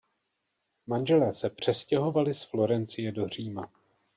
Manželé se přestěhovali z Florencie do Říma.